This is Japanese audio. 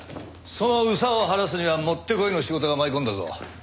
その憂さを晴らすにはもってこいの仕事が舞い込んだぞ。